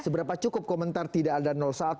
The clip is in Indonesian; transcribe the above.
seberapa cukup komentar tidak ada satu